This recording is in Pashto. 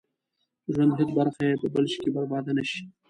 ژوند هېڅ برخه يې په بل شي کې برباده نه شي.